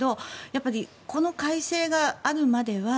やっぱりこの改正があるまでは